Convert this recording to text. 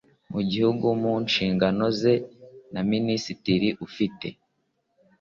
mu gihugu mu nshingano ze na minisitiri ufite